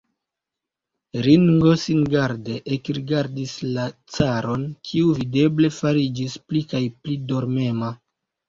Ringo singarde ekrigardis la caron, kiu videble fariĝis pli kaj pli dormema.